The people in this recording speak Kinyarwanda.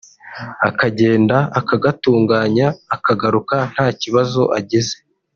akagenda akagatunganya akagaruka nta kibazo agize